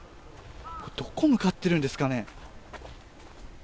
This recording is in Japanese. これはどこに向かっているんですかね。